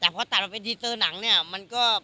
แต่พอถ่ายมาไปดีเซอร์หนังเนี่ยมันก็